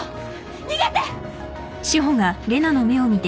逃げて！